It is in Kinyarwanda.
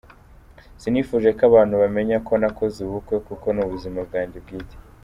Sinifuje ko abantu bamenya ko nakoze ubukwe kuko ni ubuzima bwanjye bwite.